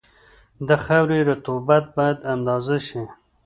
د خاورې رطوبت باید اندازه شي